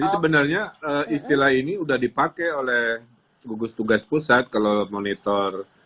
sebenarnya istilah ini sudah dipakai oleh gugus tugas pusat kalau monitor